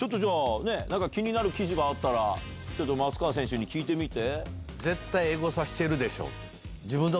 何か気になる記事があったら松川選手に聞いてみて。